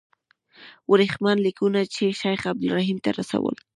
ورېښمین لیکونه یې شیخ عبدالرحیم ته رسول.